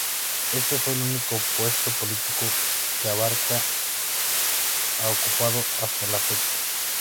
Este fue el único puesto político que Abarca ha ocupado hasta la fecha.